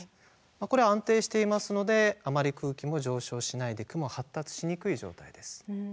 これは安定していますのであまり空気も上昇しないで雲が発達しにくい状態です。